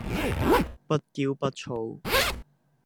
不驕不躁